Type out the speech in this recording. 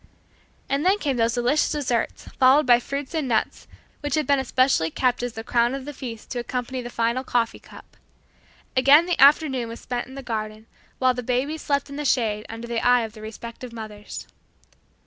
And then came those delicious desserts followed by fruits and nuts which had been especially kept as the crown of the feast to accompany the final coffee cup. Again the afternoon was spent in the garden, while the babies slept in the shade under the eye of the respective mothers.